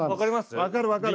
分かる分かる。